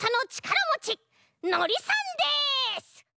のりさんです！